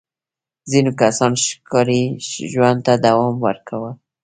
ځینو کسانو ښکاري ژوند ته دوام ورکاوه.